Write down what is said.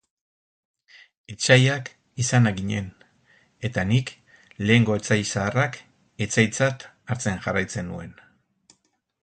Etsaiak izanak ginen, eta nik lehengo etsai zaharrak etsaitzat hartzen jarraitzen nuen.